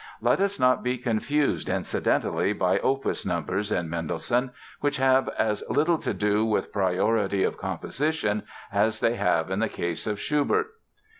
Let us not be confused, incidentally, by opus numbers in Mendelssohn which have as little to do with priority of composition as they have in the case of Schubert.